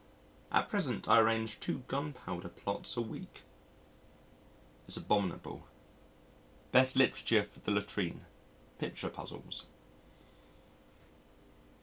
At present I arrange two gunpowder plots a week. It's abominable. Best literature for the latrine: picture puzzles.